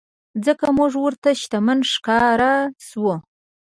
ځکه مونږ ورته شتمن ښکاره شوو.